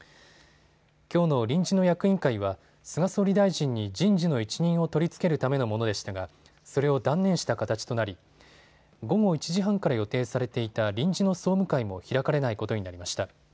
きょうの臨時の役員会は、菅総理大臣に人事の一任を取り付けるためのものでしたが、それを断念した形となり、午後１時半から予定されていた臨時の総務会も開かれないことになりました。